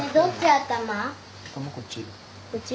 頭こっち。